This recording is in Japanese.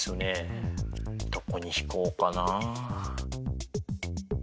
どこに引こうかな。